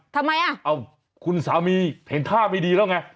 ทำไมอ่ะเอาคุณสามีเห็นท่าไม่ดีแล้วไง